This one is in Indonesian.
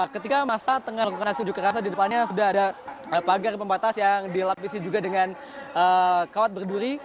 ketika masa tengah lakukan hasil jukerasa di depannya sudah ada pagar pembatas yang dilapisi juga dengan kawat berduri